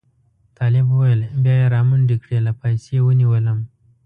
طالب وویل بیا یې را منډې کړې له پایڅې یې ونیولم.